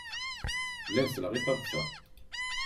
La selleɣ i taḍsa.